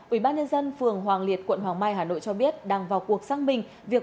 ủy ban nhân dân phường hoàng liệt quận hoàng mai hà nội cho biết đang vào cuộc xác minh việc